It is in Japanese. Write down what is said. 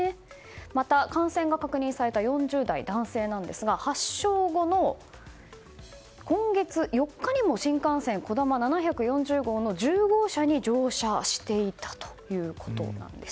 また、感染が確認された４０代男性ですが発症後の今月４日にも新幹線「こだま７４０号」の１０号車に乗車していたということなんです。